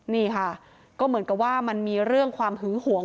นี่ค่ะก็เหมือนกับว่ามันมีเรื่องความหึงหวง